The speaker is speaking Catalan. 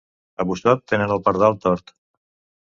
A Busot, tenen el pardal tort.